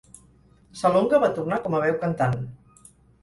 Salonga va tornar com a veu cantant.